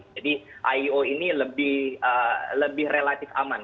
jadi ico ini lebih relatif aman